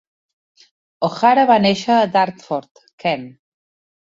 O'Hara va néixer a Dartford, Kent.